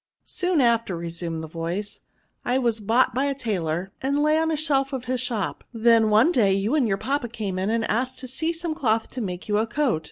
" Soon after," resumed the voice, " I was bought by a tailor, and lay on the shelf ct his shop, when one day you and your papa came in and asked to see some cloth to make you a coat.